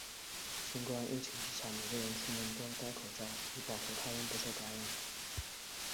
新冠疫情之下，每个人出门都要带口罩，以保护他人不受感染。